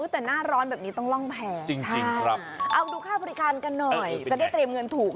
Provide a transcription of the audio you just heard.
แต่หน้าร้อนแบบนี้ต้องร่องแพงจริงเอาดูค่าบริการกันหน่อยจะได้เตรียมเงินถูก